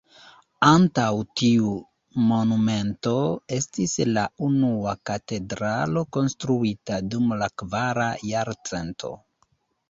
Antaŭ tiu monumento estis la unua katedralo konstruita dum la kvara jarcento.